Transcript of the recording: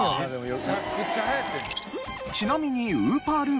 めちゃくちゃ流行ってん。